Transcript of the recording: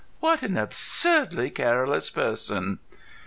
"What an absurdly careless person!"